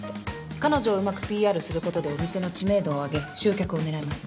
彼女をうまくＰＲすることでお店の知名度を上げ集客を狙えます。